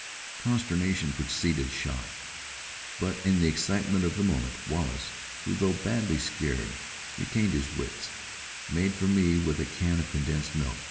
Consternation preceded shock. But in the excitement of the moment, Wallace who, though badly scared, retained his wits made for me with a can of condensed milk.